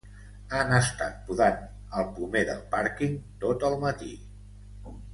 Han estat podant el pomer del pàrquing tot el matí.